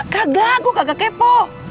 kagak gue kagak kepo